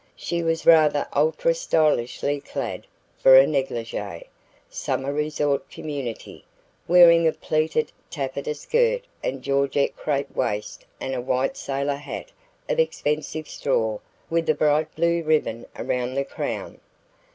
She was rather ultra stylishly clad for a negligee, summer resort community, wearing a pleated taffeta skirt and Georgette crepe waist and a white sailor hat of expensive straw with a bright blue ribbon around the crown.